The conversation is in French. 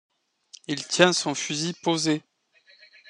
Il tient son fusil posé.